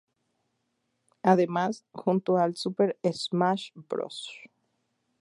Además, junto al Super Smash Bros.